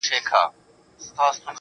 مثبت فکر انسان فعالوي.